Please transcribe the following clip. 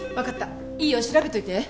いいよ調べておいて。